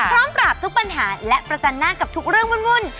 ปราบทุกปัญหาและประจันหน้ากับทุกเรื่องวุ่น